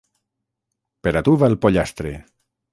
Per a tu va el pollastre!